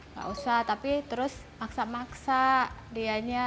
nggak usah tapi terus maksa maksa dianya